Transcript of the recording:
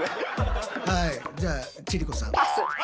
じゃあ千里子さん。